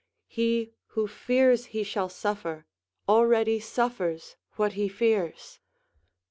He who fears he shall suffer, already suffers what he fears.